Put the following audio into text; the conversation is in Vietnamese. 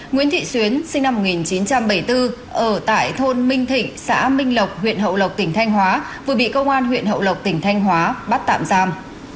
nguyễn thị xuyến sinh năm một nghìn chín trăm bảy mươi bốn ở tại thôn minh thịnh xã minh lộc huyện hậu lộc tỉnh thanh hóa vừa bị công an huyện hậu lộc tỉnh thanh hóa bắt tạm giam